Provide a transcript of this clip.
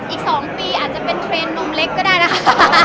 อีก๒ปีอาจจะเป็นเทรนด์นมเล็กก็ได้นะคะ